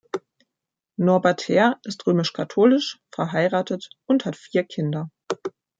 Norbert Herr ist römisch-katholisch, verheiratet und hat vier Kinder.